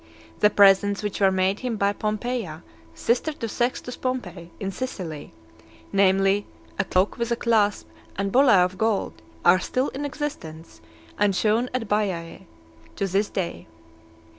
The presents which were made him (197) by Pompeia, sister to Sextus Pompey, in Sicily, namely, a cloak, with a clasp, and bullae of gold, are still in existence, and shewn at Baiae to this day.